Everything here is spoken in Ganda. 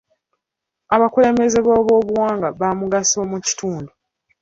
Abakulembeze b'ebyobuwangwa bamugaso mu kitundu.